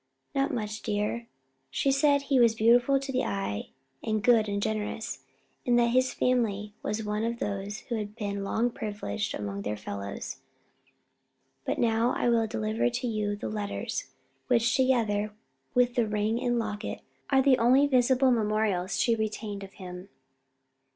"Not much, dear. She said he was beautiful to the eye, and good and generous; and that his family was of those who had been long privileged among their fellows. But now I will deliver to you the letters, which, together with the ring and locket, are the only visible memorials she retained of him."